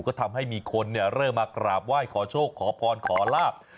ก็ทำให้มีคนเริ่มมากราบไหว้ขอโชคขอพรขอลาบ